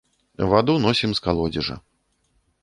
Ваду носім з калодзежа.